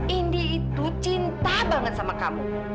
indi itu cinta banget sama kamu